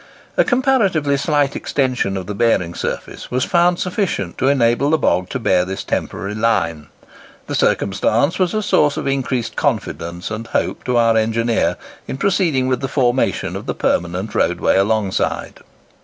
A comparatively slight extension of the bearing surface being found sufficient to enable the bog to bear this temporary line, the circumstance was a source of increased confidence and hope to our engineer in proceeding with the formation of the permanent roadway alongside.